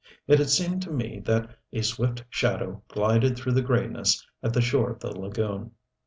It had seemed to me that a swift shadow glided through the grayness at the shore of the lagoon.